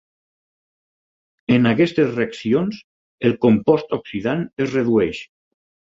En aquestes reaccions, el compost oxidant es redueix.